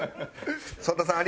曽田さん